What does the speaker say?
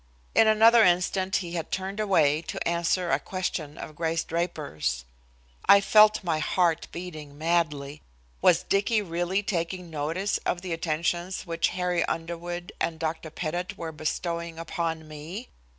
In another instant he had turned away to answer a question of Grace Draper's. I felt my heart beating madly. Was Dicky really taking notice of the attentions which Harry Underwood and Dr. Pettit were bestowing upon me?